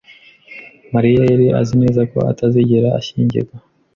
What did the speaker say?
Mariya yari azi neza ko atazigera ashyingirwa.